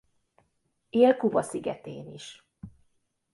Él Kuba szigetén is.